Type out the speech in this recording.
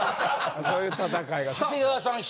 そういう戦いが。